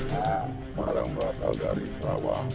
pada saat berasal dari kerawang